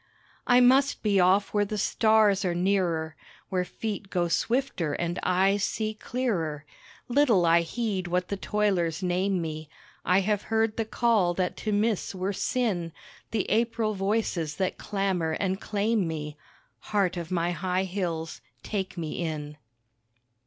I must be off where the stars are nearer, Where feet go swifter and eyes see clearer, Little I heed what the toilers name me I have heard the call that to miss were sin, The April voices that clamour and claim me, (Heart of my high hills, take me in.)